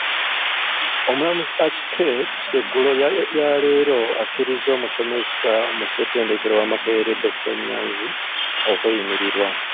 Omulamuzi Acaa Ketty eggulo lyaleero akkirizza omusomesa mu ssettendekero wa Makerere dokita Nyanzi okweyimirirwa.